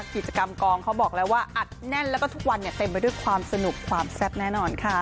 กิจกรรมกองเขาบอกแล้วว่าอัดแน่นแล้วก็ทุกวันเนี่ยเต็มไปด้วยความสนุกความแซ่บแน่นอนค่ะ